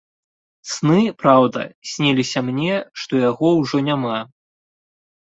Сны, праўда, сніліся мне, што яго ўжо няма.